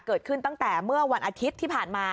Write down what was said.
เกิดขึ้นตั้งแต่เมื่อวันอาทิตย์ที่ผ่านมา